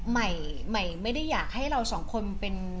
ใหม่ไม่ได้อยากให้เราสองคนเป็น